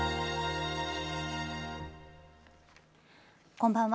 こんばんは。